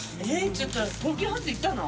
ちょっと東急ハンズ行ったの？